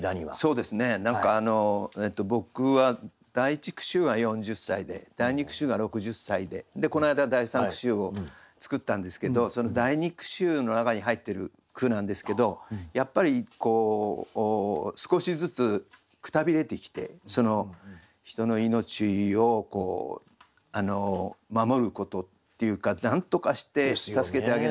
そうですね何か僕は第一句集は４０歳で第二句集が６０歳ででこの間第三句集を作ったんですけどその第二句集の中に入ってる句なんですけどやっぱりこう少しずつくたびれてきて人の命をこう守ることっていうかなんとかして助けてあげないといけないとか。